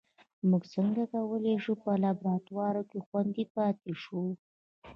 موږ څنګه کولای شو په لابراتوار کې خوندي پاتې شو